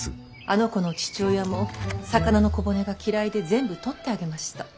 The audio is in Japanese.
あの子の父親も魚の小骨が嫌いで全部取ってあげました。